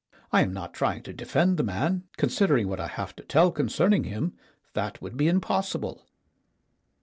I am not trying to defend the man; considering what I have to tell con cerning him, that would be impossible.